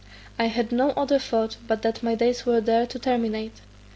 I had no other thought but that my days were there to terminate.